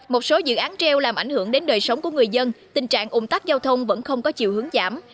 một số dự án treo làm ảnh hưởng đến đời sống của người dân tình trạng ủng tắc giao thông vẫn không có chiều hướng giảm